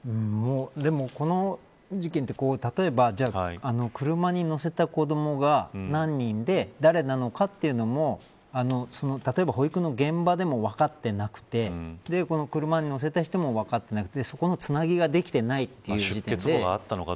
この事件って、例えば車に乗せた子どもが何人で誰なのかというのも例えば保育の現場でも分かっていなくて車に乗せた人も分かってなくてそこのつなぎができていない。